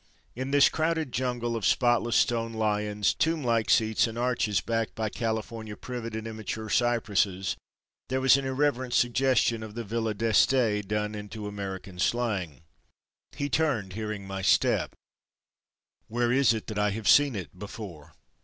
In this crowded jungle of spotless stone Lions, tomblike seats and arches backed by California privet and immature cypresses there was an irreverent suggestion of the Villa D'Este done into American slang. He turned hearing my step, "Where is it I have seen it—before?"